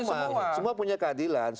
semua punya keadilan